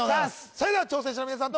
それでは挑戦者の皆さん